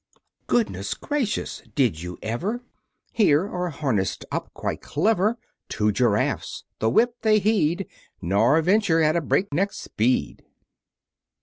Goodness gracious! Did you ever? Here are harnessed up quite clever Two Giraffes! The whip they heed; Nor venture at a break neck speed.